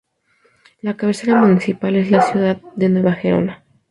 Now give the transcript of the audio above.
La cabecera municipal es la ciudad de Nueva Gerona.